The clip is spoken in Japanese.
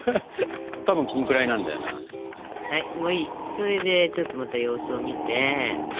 それでちょっとまた様子を見て。